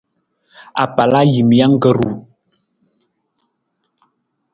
Apalajiimijang ka ru.